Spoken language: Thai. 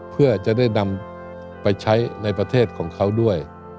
เพื่อจะได้นำไปใช้ในประเทศของเขาด้วย